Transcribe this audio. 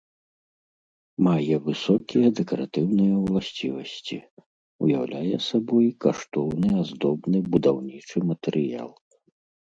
Мае высокія дэкаратыўныя ўласцівасці, уяўляе сабой каштоўны аздобны будаўнічы матэрыял.